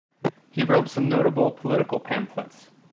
He wrote some notable political pamphlets.